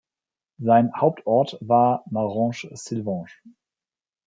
Sein Hauptort war Marange-Silvange.